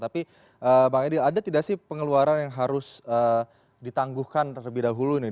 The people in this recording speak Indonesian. tapi pak edil ada tidak sih pengeluaran yang harus ditangguhkan terlebih dahulu nih